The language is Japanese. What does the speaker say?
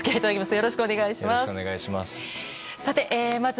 よろしくお願いします。